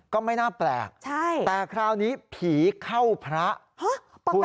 ก็ไม่น่าแปลกแต่คราวนี้ผีเข้าพระคุณ